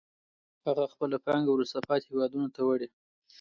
هغه خپله پانګه وروسته پاتې هېوادونو ته وړي